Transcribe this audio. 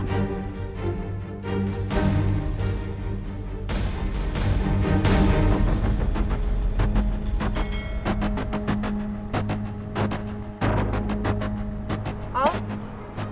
hati hati ndak dapat alma seperti roku oku